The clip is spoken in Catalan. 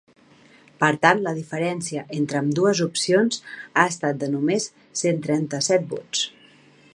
Per tant, la diferència entre ambdues opcions ha estat de només cent trenta-set vots.